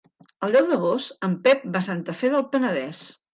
El deu d'agost en Pep va a Santa Fe del Penedès.